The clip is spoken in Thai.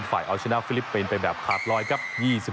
ฝ่ายเอาชนะฟิลิปปีนเป็นแบบขาดรอย๒๖๗